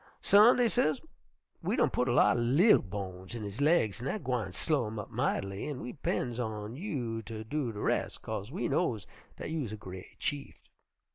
"'Son', dey ses, 'we done putt a lot er li'l bones in his laigs, an' dat gwine slow him up might'ly, an' we 'pends on you ter do de res', 'kase we knows dat you is a gre't chieft.'